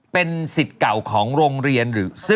เป็นสิทธิ์เก่าของโรงเรียนหรือ